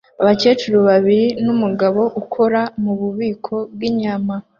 abakecuru babiri numugabo ukora mububiko bwinyama